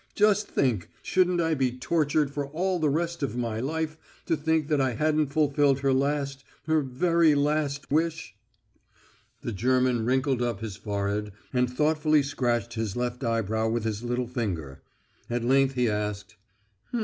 Just think shouldn't I be tortured for all the rest of my life to think that I hadn't fulfilled her last, her very last wish!" The German wrinkled up his forehead and thoughtfully scratched his left eyebrow with his little finger. At length he asked: "H'm....